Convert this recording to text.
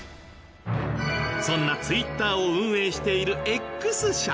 そんなＴｗｉｔｔｅｒを運営しているＸ社。